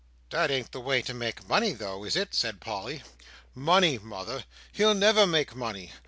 '" "That ain't the way to make money, though, is it?" said Polly. "Money, mother! He'll never make money.